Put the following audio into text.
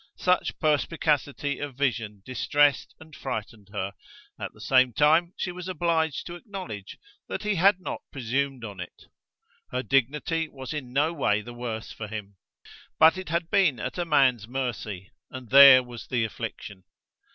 Such perspicacity of vision distressed and frightened her; at the same time she was obliged to acknowledge that he had not presumed on it. Her dignity was in no way the worse for him. But it had been at a man's mercy, and there was the affliction.